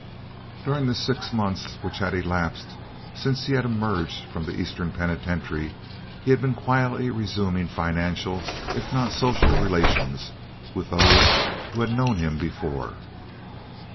During the six months which had elapsed since he had emerged from the Eastern Penitentiary he had been quietly resuming financial, if not social, relations with those who had known him before.